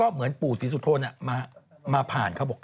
เหมือนปู่ศรีสุโธนมาผ่านเขาบอก